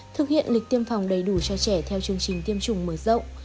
thực hiện lịch tiêm phòng đầy đủ cho trẻ theo chương trình tiêm chủng mở rộng